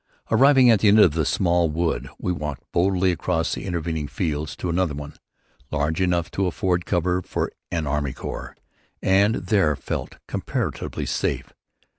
Arriving at the end of the small wood, we walked boldly across the intervening fields to another one, large enough to afford cover for an army corps, and there felt comparatively safe.